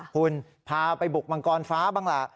คุณพาไปบุกมังกรฟ้าบ้างล่ะ